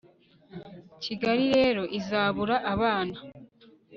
Kigali rero izabura abana